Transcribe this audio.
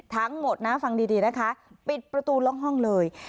ทั้งหมดนะฟังดีนะคะปิดประตูล็อกห้องเลย